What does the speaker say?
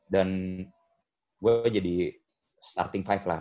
dan gue jadi starting five lah